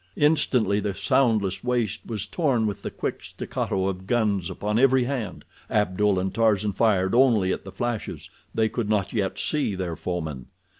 Instantly the soundless waste was torn with the quick staccato of guns upon every hand. Abdul and Tarzan fired only at the flashes—they could not yet see their foemen.